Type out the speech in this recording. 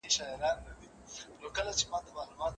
پخواني کارونه باید له پامه ونه غورځول سي.